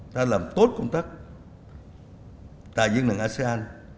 ta làm tốt công tác tại dân đồng asean